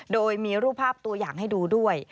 โดยมีรูปภาพตัวอย่างให้ดูด้วย